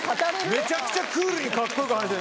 めちゃくちゃクールにカッコよく話して。